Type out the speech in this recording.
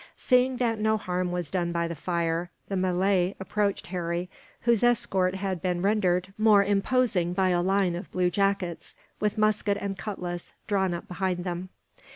Seeing that no harm was done by the fire, the Malay approached Harry, whose escort had been rendered more imposing by a line of blue jackets, with musket and cutlass, drawn up behind them.